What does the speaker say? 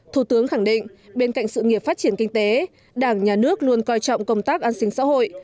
thủ tướng khẳng định bên cạnh sự nghiệp phát triển kinh tế đảng nhà nước luôn coi trọng công tác an sinh xã hội